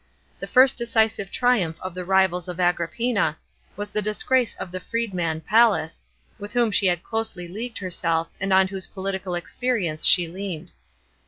The first decisive triumph of the rivals of Agrippina was the disgrace of the freedman Pallas, with whom she had closely leagued herself, and on whose political experience she leaned.